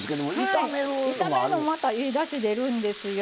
炒めるのもまたいいだし出るんですよ。